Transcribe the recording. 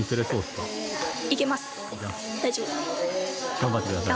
頑張ってください。